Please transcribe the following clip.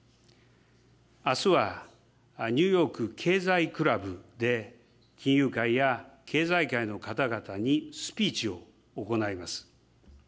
あすは、ニューヨーク経済クラブで、金融界や経済界の方々にスピーチを行います。